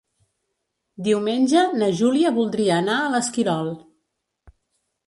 Diumenge na Júlia voldria anar a l'Esquirol.